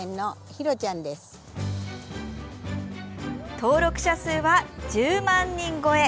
登録者数は１０万人超え。